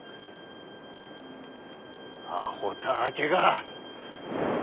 あほたわけが！